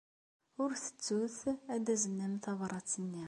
Ur ttettut ad taznem tabṛat-nni.